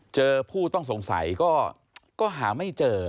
เจอผู้ต้องสงสัยก็หาไม่เจอ